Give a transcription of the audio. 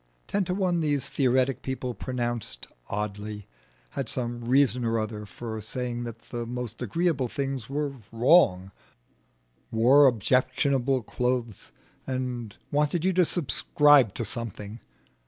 Ten to one these theoretic people pronounced oddly, had some reason or other for saying that the most agreeable things were wrong, wore objectionable clothes, and wanted you to subscribe to something.